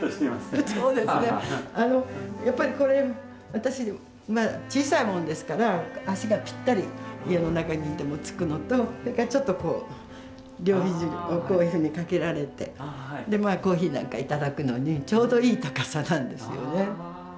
私小さいもんですから足がピッタリ家の中にいてもつくのとそれからちょっとこう両肘をこういうふうにかけられて。でまあコーヒーなんか頂くのにちょうどいい高さなんですよね。